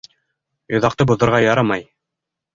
Йоҙаҡты боҙорға ярамай!